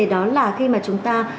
đó là khi mà chúng ta